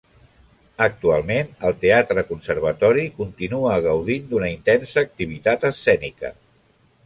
Actualment, el teatre Conservatori continua gaudint d'una intensa activitat escènica.